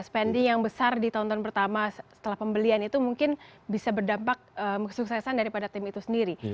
spending yang besar di tahun tahun pertama setelah pembelian itu mungkin bisa berdampak kesuksesan daripada tim itu sendiri